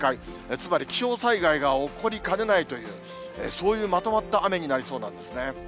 つまり気象災害が起こりかねないという、そういうまとまった雨になりそうなんですね。